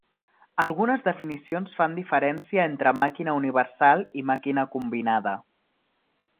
Algunes definicions fan diferència entre màquina universal i màquina combinada.